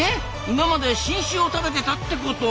今まで新種を食べてたってこと？